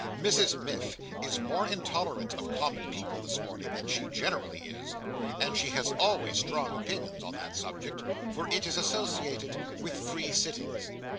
Mrs Miff is more intolerant of common people this morning, than she generally is; and she has always strong opinions on that subject, for it is associated with free sittings.